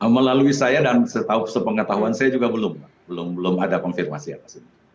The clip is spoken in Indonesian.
melalui saya dan sepengetahuan saya juga belum belum ada konfirmasi apa sih